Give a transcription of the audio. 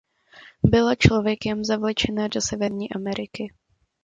Byla člověkem zavlečena do Severní Ameriky.